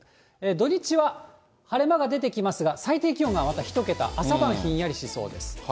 土日は晴れ間が出てきますが、最低気温はまた１桁、朝晩ひんやりしそうです。